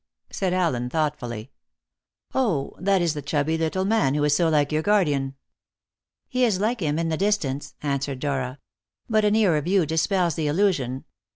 said Allen thoughtfully "oh, that is the chubby little man who is so like your guardian." "He is like him in the distance," answered Dora, "but a nearer view dispels the illusion.